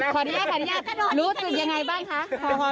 ขออนุญาตรู้สึกยังไงบ้างคะ